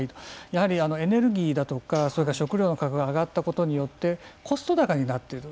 やはりエネルギーだとかそれから食料の価格が上がったことによってコスト高になっている。